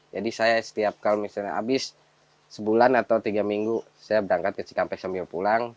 jadi saya setiap kalau misalnya habis sebulan atau tiga minggu saya berangkat ke cikampek sambil pulang